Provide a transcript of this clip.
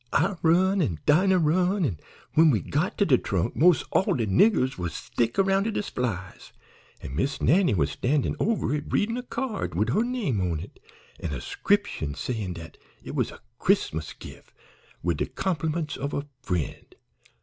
I run, an' Dinah run, an' when we got to de trunk mos' all de niggers was thick 'round it as flies, an' Miss Nannie was standin' over it readin' a card wid her name on it an' a 'scription sayin' dat it was 'a Chris'mas gif, wid de compliments of a friend.'